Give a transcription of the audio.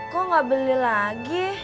kok gak beli lagi